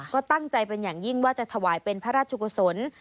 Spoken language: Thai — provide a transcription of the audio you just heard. ก็ตั้งใจเป็นอย่างยิ่งว่าจะถวายเป็นพระราชกุศล